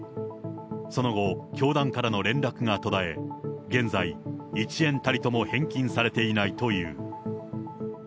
その後、教団からの連絡が途絶え、現在、一円たりとも返金されていないという。